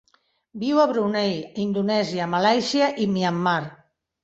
Viu a Brunei, Indonèsia, Malàisia i Myanmar.